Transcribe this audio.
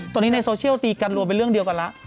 ตอนนี้ในโซเชียลตีกันรวมเป็นเรื่องเดียวกันแล้ว